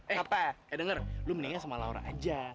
eh denger lu mendingan sama laura aja